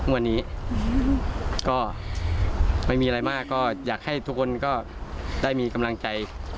วันนี้ก็ไม่มีอะไรมากก็อยากให้ทุกคนก็ได้มีกำลังใจ